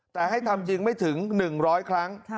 แต่ให้ทำจริงไม่ถึง๑๐๐ครั้ง